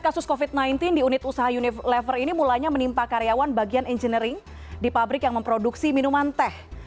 kasus covid sembilan belas di unit usaha unilever ini mulanya menimpa karyawan bagian engineering di pabrik yang memproduksi minuman teh